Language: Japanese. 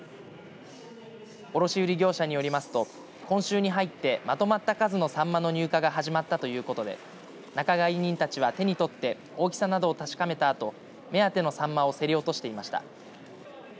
卸売業者によりますと今週に入ってまとまった数のさんまの入荷が始まったということで仲買人たちは手に取って大きさなどを確かめたあと目当てのさんまを競り落としていました。